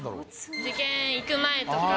受験行く前とか。